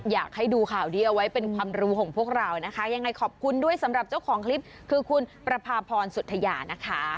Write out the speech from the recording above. อยากให้ดูข่าวนี้เอาไว้เป็นความรู้ของพวกเรานะคะยังไงขอบคุณด้วยสำหรับเจ้าของคลิปคือคุณประพาพรสุธยานะคะ